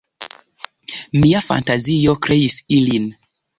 Mia fantazio kreis ilin.